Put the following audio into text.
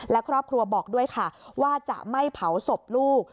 และครอบครัวบอกด้วยค่ะว่าจะไม่เผาศพลูก